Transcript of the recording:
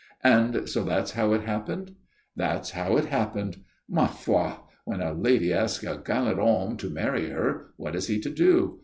"And so that's how it happened?" "That's how it happened. Ma foi! When a lady asks a galant homme to marry her, what is he to do?